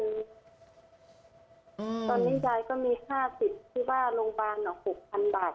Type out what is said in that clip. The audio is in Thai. ตอนนี้ยายก็มีค่าผิดชื่อว่ารงค์บ้าน๖๐๐๐บาท